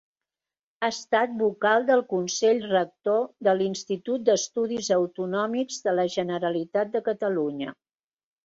Ha estat vocal del Consell Rector de l’Institut d’Estudis Autonòmics de la Generalitat de Catalunya.